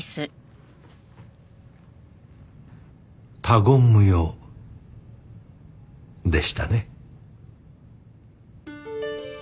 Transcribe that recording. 他言無用でしたね。